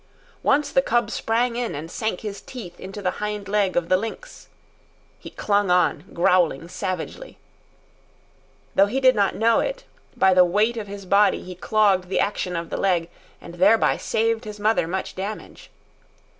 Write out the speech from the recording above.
Once, the cub sprang in and sank his teeth into the hind leg of the lynx. He clung on, growling savagely. Though he did not know it, by the weight of his body he clogged the action of the leg and thereby saved his mother much damage.